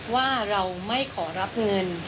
ว่าเราไม่ขอรับเงิน